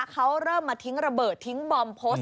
เขาเริ่มมาทิ้งระเบิดทิ้งบอมโพสต์